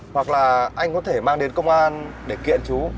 hoặc là anh có thể mang đến công an để kiện chú